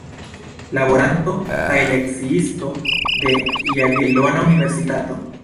Laboranto kaj lekciisto de Jagelona Universitato.